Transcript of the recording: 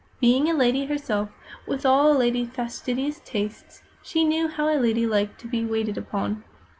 Being a lady herself, with all a lady's fastidious tastes, she knew how a lady liked to be waited upon.